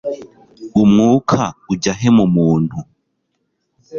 umwuka ujya he mu muntu